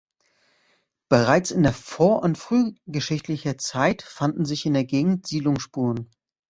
Bereits in der vor- und frühgeschichtlicher Zeit fanden sich in der Gegend Siedlungsspuren.